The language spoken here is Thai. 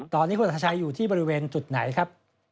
ตอนนี้คุณอัธชัยอยู่ที่บริเวณจุดไหนครับ